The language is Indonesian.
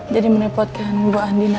jadi menepatkan bu andinan pak